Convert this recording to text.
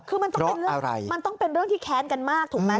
เพราะอะไรคือมันต้องเป็นเรื่องที่แค้นกันมากถูกไหม